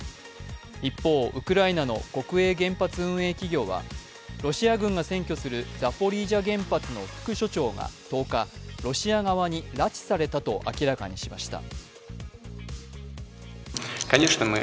一方、ウクライナの国営原発運営企業はロシア軍が占拠するザポリージャ原発の副所長が１０日、ロシア側に拉致されたと明らかにしました。